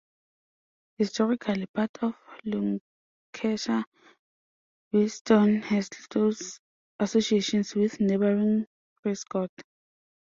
Historically part of Lancashire, Whiston has close associations with neighbouring Prescot.